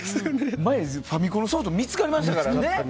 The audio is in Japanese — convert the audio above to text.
前ファミコンのソフト見つかりました。